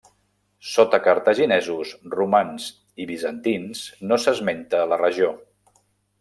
Sota cartaginesos, romans i bizantins no s'esmenta la regió.